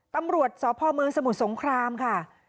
ตำรวจสพเมืองสมุทรสงครามค่ะ